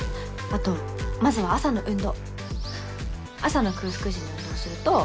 あとまずは朝の運動朝の空腹時に運動すると